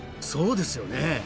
そうですよね。